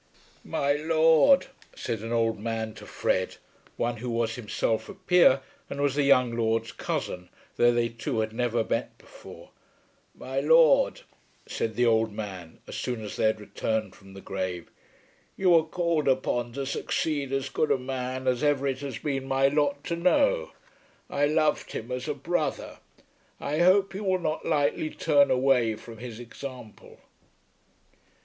"My Lord," said an old man to Fred, one who was himself a peer and was the young lord's cousin though they two had never met before, "My Lord," said the old man, as soon as they had returned from the grave, "you are called upon to succeed as good a man as ever it has been my lot to know. I loved him as a brother. I hope you will not lightly turn away from his example."